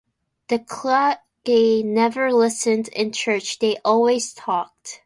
The clergy never listened in church, they always talked.